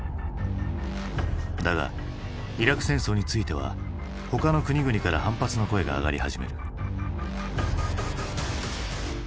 だがイラク戦争については他の国々から反発の声が上がり始める。